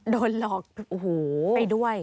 โดนหลอกโอ้โหไปด้วย